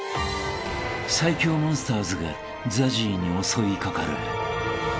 ［最恐モンスターズがＺＡＺＹに襲い掛かる］